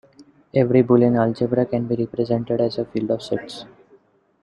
Every Boolean algebra can be represented as a field of sets.